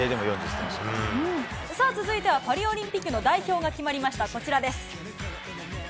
さあ続いては、パリオリンピックの代表が決まりました、こちらです。